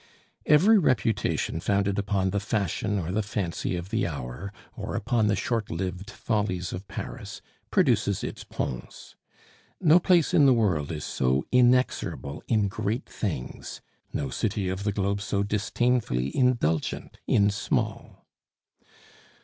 Every reputation founded upon the fashion or the fancy of the hour, or upon the short lived follies of Paris, produces its Pons. No place in the world is so inexorable in great things; no city of the globe so disdainfully indulgent in small.